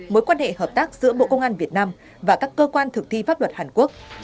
mối quan hệ hợp tác giữa bộ công an việt nam và các cơ quan thực thi pháp luật hàn quốc